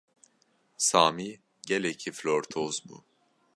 Samî gelekî flortoz bû.